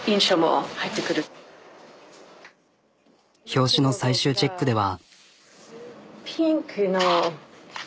表紙の最終チェックでは。